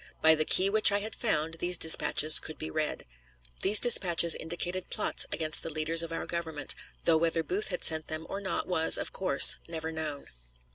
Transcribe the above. By the key which I had found these dispatches could be read. These dispatches indicated plots against the leaders of our Government, though whether Booth had sent them or not was, of course, never known.